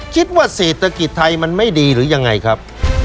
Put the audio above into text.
คิดว่าเศรษฐกิจไทยมันไม่ดีหรือยังไงครับ